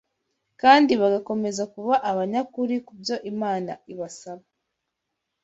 kandi bagakomeza kuba abanyakuri ku byo Imana ibasaba